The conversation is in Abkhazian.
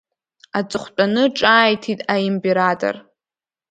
Аҵыхәтәаны ҿааиҭит аимператор.